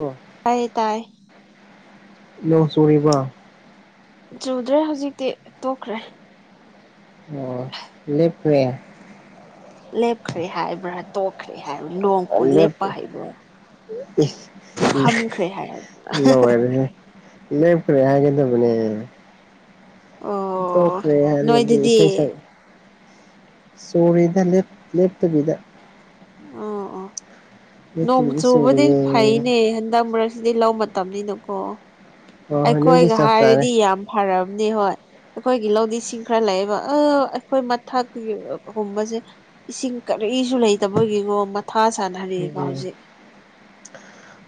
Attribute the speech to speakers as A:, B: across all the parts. A: ꯎ
B: ꯇꯥꯏꯌꯦ ꯇꯥꯏ
A: ꯅꯣꯡ ꯆꯨꯔꯤꯕ
B: ꯆꯨꯗ꯭ꯔꯦ ꯍꯧꯖꯤꯛꯇꯤ ꯇꯣꯛꯈ꯭ꯔꯦ
A: ꯑꯣ ꯂꯦꯞꯈ꯭ꯔ‌ꯦ
B: ꯂꯦꯞꯈ꯭ꯔꯦ ꯍꯥꯏꯕ꯭ꯔꯥ ꯇꯣꯛꯈ꯭ꯔꯦ ꯍꯥꯏꯕ꯭ꯔꯥ ꯅ‌ꯣꯡꯄꯨ
A: ꯂꯦꯞ
B: ꯂꯦꯞꯄ ꯍꯥꯏꯕ꯭ꯔꯥ ꯐꯝꯈ꯭ꯔꯦ ꯍꯥꯏ
A: ꯑꯦ ꯂ‌ꯦꯞꯈ꯭ꯔꯦ ꯍꯥꯏꯒꯦꯗꯕꯅꯦ
B: ꯑꯣ
A: ꯇꯣꯈꯔꯦ ꯍꯥꯏꯔꯗꯤ
B: ꯅꯣꯏꯗꯗꯤ
A: ꯏꯁꯩ ꯁ ꯁꯣꯔꯤꯗ ꯂꯦꯐ ꯂꯦꯞꯇꯕꯤꯗ
B: ꯑꯣ ꯑꯣ ꯅꯣꯡ
A: ꯂꯦꯞꯇꯕꯤꯗ
B: ꯆꯨꯕꯗꯤ
A: ꯆꯨꯔꯤꯌꯦ
B: ꯐꯩꯅꯦ ꯍꯟꯗꯛ ꯃꯔꯛꯁꯤꯗꯤ ꯂꯧ ꯃꯇꯝꯅꯤꯅꯀꯣ
A: ꯑꯣ ꯍꯣꯏ ꯅꯣꯏꯒꯤ
B: ꯑꯩꯈꯣꯏꯒ
A: ꯆꯞ ꯆꯥꯔꯦ
B: ꯍꯥꯏꯔꯗꯤ ꯌꯥꯝ ꯐꯔꯕꯅꯦ ꯍꯣꯏ ꯑꯩꯈꯣꯏꯒꯤ ꯂꯧꯗꯤꯁꯤꯡ ꯈꯔ ꯂꯩꯥꯛꯑꯦꯕ ꯑ ꯑꯩꯈꯣꯏ ꯃꯊꯛꯀꯤꯒꯨꯝꯕꯁꯦ ꯏꯁꯤꯡ ꯀꯔꯤꯁꯨ ꯂꯩꯇꯕꯒꯤꯅꯣ ꯃꯊꯥ ꯁꯥꯟꯅꯔꯑꯦꯕ ꯍꯧꯖꯤꯛ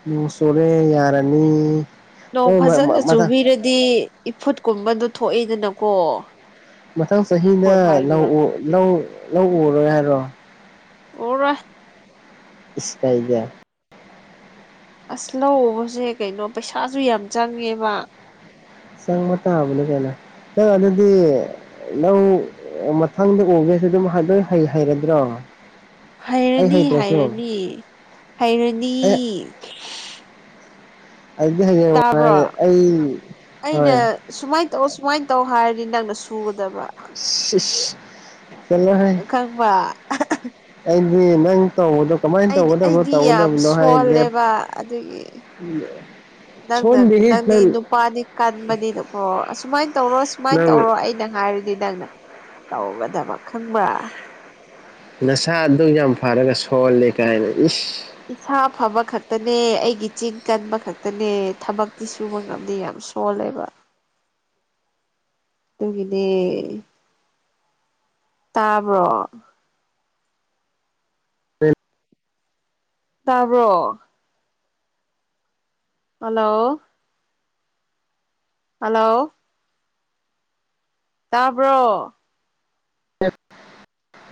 A: ꯎꯝ ꯁꯣꯨꯔꯦ ꯌꯥꯔꯅꯤ
B: ꯅꯣꯡ
A: ꯅꯣꯏ ꯃ ꯃ
B: ꯐꯖꯅ
A: ꯃꯊꯪ
B: ꯆꯨꯕꯤꯔꯗꯤ ꯏꯐꯨꯠꯀꯨꯝꯕꯗꯣ ꯊꯣꯛꯏꯗꯅꯀꯣ
A: ꯃꯊꯪ ꯆꯍꯤꯅ
B: ꯄꯣꯠ ꯍꯥꯏꯕ꯭ꯔꯥ
A: ꯂꯧ ꯂꯧ ꯂꯧ ꯎꯔꯣꯏ ꯍꯥꯏꯔꯣ
B: ꯑꯣꯔ
A: ꯏꯁꯄꯥꯏꯖꯔ
B: ꯑꯁ ꯂꯧ ꯎꯕꯁꯦ ꯀꯩꯅꯣ ꯄꯩꯁꯥꯁꯨ ꯌꯥꯝ ꯆꯪꯉꯦꯕ
A: ꯁꯪꯃ ꯇ ꯍꯥꯕꯂ ꯀꯅ ꯑꯗꯨ ꯑꯗꯨꯗꯤ ꯂꯧ ꯃꯊꯪꯗ ꯎꯒꯦꯁꯨ ꯑꯗꯨꯝ ꯂꯣꯏ ꯍꯩ ꯍꯩꯔꯗ꯭ꯔꯣ ꯑꯩ
B: ꯍꯥꯏꯩꯔꯅꯤ
A: ꯍꯩꯇ꯭ꯔꯁꯨ
B: ꯍꯥꯏꯩꯔꯅꯤ ꯍꯥꯏꯩꯔꯅꯤ
A: ꯑꯦ ꯑꯗꯨꯗꯤ ꯍꯌꯦꯌꯦꯡ
B: ꯇꯥꯕ꯭ꯔꯣ
A: ꯅꯨꯡꯉꯥꯏꯦ ꯑꯩ
B: ꯑꯩꯅ
A: ꯍꯣꯏ
B: ꯁꯨꯃꯥꯏꯅ ꯇꯧ ꯁꯨꯃꯥꯏꯅ ꯇꯧ ꯍꯥꯏꯔꯗꯤ ꯅꯪꯅ ꯁꯨꯒꯗꯕ
A: ꯆꯂꯣ ꯍꯥꯏꯦ
B: ꯈꯪꯕ
A: ꯑꯗꯤ ꯅꯪꯣ
B: ꯑꯩꯗꯤ ꯑꯩꯗꯤ ꯌꯥꯝ ꯁꯣꯜꯂꯦꯕ ꯑꯗꯨꯒꯤ ꯅꯪꯅ
A: ꯁꯣꯟꯗꯦꯍꯦ
B: ꯅꯪꯗꯤ
A: ꯅꯪ
B: ꯅꯨꯄꯥꯅꯤ ꯀꯟꯕꯅꯤꯅꯀꯣ ꯑꯁꯨꯃꯥꯏꯅ ꯇꯧꯔ ꯁꯨꯃꯥꯏꯅ
A: ꯅꯪ
B: ꯇꯧꯔꯣ ꯑꯩꯅ ꯉꯥꯏꯔꯗꯤ ꯅꯪꯅ ꯇꯧꯒꯗꯕ ꯈꯪꯕ꯭ꯔꯥ
A: ꯅꯁꯥ ꯑꯗꯨ ꯌꯥꯝ ꯐꯔꯒ ꯁꯣꯜꯂꯦ ꯀꯥꯏꯅ ꯏꯁ
B: ꯏꯁꯥ ꯐꯕ ꯈꯛꯇꯅꯦ ꯑꯩꯒꯤ ꯆꯤꯡ ꯀꯟꯕ ꯈꯛꯇꯅꯦ ꯊꯕꯛꯇꯤ ꯁꯨꯕ ꯉꯝꯗꯦ ꯌꯥꯝ ꯁ ꯍꯣ ꯂꯩꯦꯕ ꯑꯗꯨꯒꯤꯗꯤ ꯇꯥꯕ꯭ꯔꯣ ꯇꯥꯕ꯭ꯔꯣ ꯍꯜꯂꯣ ꯍꯜꯂꯣ ꯇꯥꯕ꯭ꯔꯣ
A: ꯑꯦ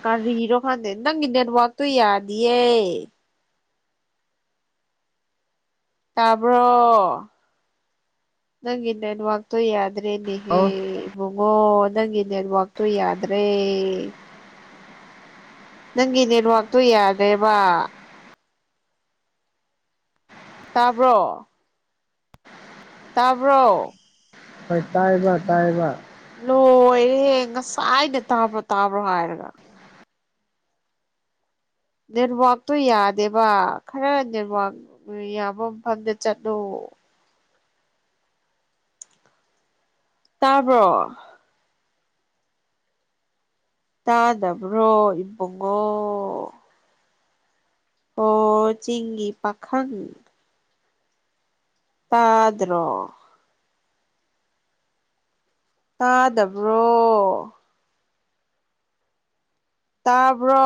B: ꯀ ꯍꯔꯣ ꯈꯥꯟꯗ ꯅ ꯅꯦ ꯋꯥꯕꯥ ꯇꯨꯏ ꯌꯥꯌꯦ ꯇꯥꯕ꯭ꯔꯣ ꯅꯪ ꯏꯟꯅꯅ ꯋꯥꯥꯛꯇꯣ ꯌꯥꯗ꯭ꯔꯦ ꯏꯅꯤ ꯍꯦ ꯏꯕꯨꯡꯉꯣ ꯅꯪꯒꯤ ꯅꯦꯠꯋꯥꯛꯛꯇꯣ ꯌꯥꯗ꯭ꯔꯦ ꯅꯪꯒꯤ ꯅꯦꯠꯋꯔꯛꯇꯣ ꯌꯥꯗꯦꯕ ꯇꯥꯕ꯭ꯔꯣ ꯇꯥꯕ꯭ꯔꯣ
A: ꯍꯣꯏ ꯇꯥꯏꯕ ꯇꯥꯏꯕ
B: ꯂꯣꯏꯔꯦ ꯉꯁꯥꯏꯅ ꯇꯥꯕ꯭ꯔꯣ ꯇꯥꯕ꯭ꯔꯣ ꯍꯥꯏꯔꯒ ꯅꯦꯠꯋꯥꯛꯇꯣ ꯌꯥꯗꯦꯕ ꯈꯔ ꯅꯦꯠꯋꯥꯛ ꯌꯥꯕ ꯃꯐꯝꯗ ꯆꯠꯂꯣ ꯇꯥꯕ꯭ꯔꯣ ꯇꯥꯗꯕ꯭ꯔꯣ ꯏꯕꯉꯣ ꯍ ꯆꯤꯡꯒꯤ ꯄꯥꯈꯪ ꯇ ꯑꯗꯨ꯭ꯔꯣ ꯇꯥꯗꯕ꯭ꯔꯣ ꯇꯥꯕ꯭ꯔꯣ